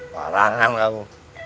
parah kan kamu